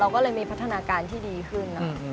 ก็เลยมีพัฒนาการที่ดีขึ้น